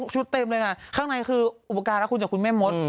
เต็มเลยนะข้างในคืออุปการณคุณจากคุณแม่มด